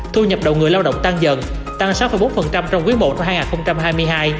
thu nhập đầu người lao động tăng dần tăng sáu bốn trong quý i năm hai nghìn hai mươi hai